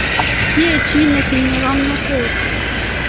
mie chi netinye ngomnotet